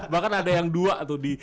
bahkan ada yang dua tuh